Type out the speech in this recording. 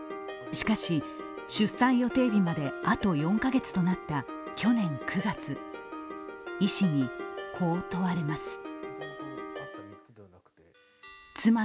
しかし出産予定日まであと４カ月となった去年９月、医師に、こう問われます。